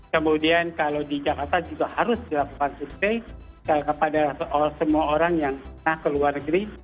kemudian kalau di jakarta juga harus dilakukan survei kepada semua orang yang pernah ke luar negeri